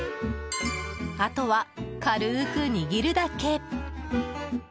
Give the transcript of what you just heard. あとは、軽く握るだけ。